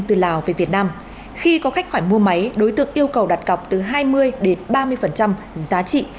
từ lào về việt nam khi có cách khoản mua máy đối tượng yêu cầu đặt cọc từ hai mươi đến ba mươi giá trị